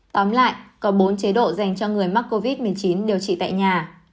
tóm lại có bốn chế độ dành cho người mắc covid một mươi chín điều trị tại nhà